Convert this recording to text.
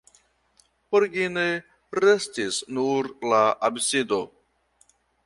Origine restis nur la absido.